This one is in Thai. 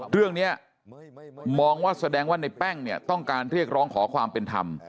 เรื่องนี้มองว่าแสดงว่าในแป้งเนี่ยต้องการเรียกร้องขอความเป็นธรรม